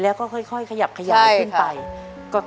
แล้วก็ค่อยขยับขยายขึ้นไป